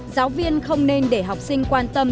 giáo viên không nên để học sinh quan tâm